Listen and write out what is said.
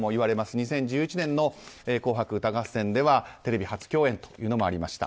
２０１１年の「紅白歌合戦」ではテレビ初共演というものもありました。